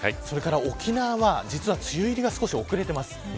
沖縄は梅雨入りが少し遅れています。